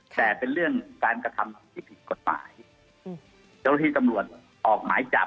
แต่เป็นเรื่องการกระทำที่ผิดกฎหมายเจ้าหน้าที่ตำรวจออกหมายจับ